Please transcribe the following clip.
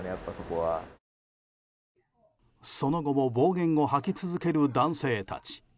その後も暴言を吐き続ける男性たち。